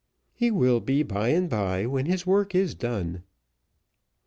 "He will be by and bye, when his work is done."